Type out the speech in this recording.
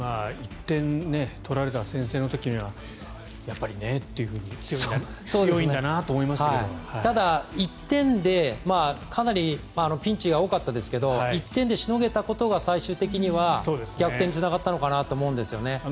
１点、取られた先制の時にはやっぱりねというドイツはただ、１点でかなりピンチが多かったですが１点でしのげたことが最終的には逆転につながったと思うんですよね。